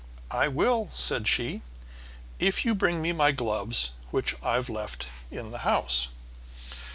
"I will," said she, "If you bring me my gloves which I've left in the house."